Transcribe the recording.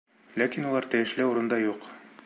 Ләкин улар тейешле урында юҡ.